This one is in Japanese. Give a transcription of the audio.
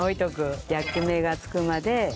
焼き目がつくまで弱火で。